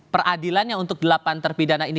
peradilan yang untuk delapan terpidana ini